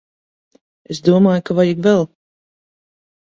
Es domāju ka vajag vēl.